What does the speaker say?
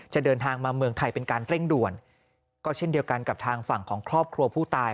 เดินทางมาเมืองไทยเป็นการเร่งด่วนก็เช่นเดียวกันกับทางฝั่งของครอบครัวผู้ตาย